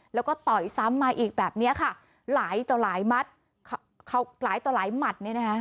แล้วก็ต่อยซ้ำมาอีกแบบเนี้ยค่ะหลายต่อหลายมัดเขาหลายต่อหลายหมัดเนี่ยนะคะ